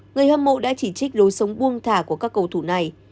người hâm mộ đã chỉ trích lối sống buông thả của các cầu thủ này